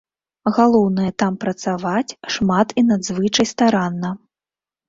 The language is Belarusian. Галоўнае там працаваць, шмат і надзвычай старанна.